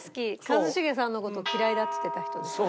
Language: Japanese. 一茂さんの事を嫌いだって言ってた人でしょ？